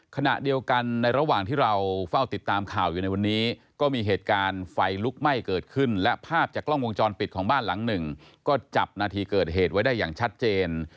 ขณะเดียวกันในระหว่างที่เราเฝ้าติดตามข่าวอยู่ในวันนี้ก็มีเหตุการณ์ไฟลุกไหม้เกิดขึ้นและภาพจากกล้องวงจรปิดของบ้านหลังหนึ่งก็จับนาทีเกิดเหตุไว้ได้อย่างชัดเจน